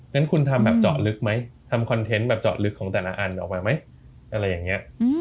งั้นคุณทำแบบเจาะลึกไหมทำคอนเทนต์แบบเจาะลึกของแต่ละอันออกมาไหมอะไรอย่างนี้